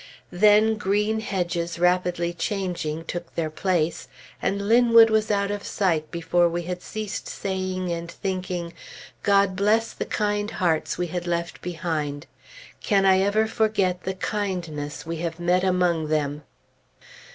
Then green hedges rapidly changing took their place, and Linwood was out of sight before we had ceased saying and thinking, God bless the kind hearts we had left behind. Can I ever forget the kindness we have met among them?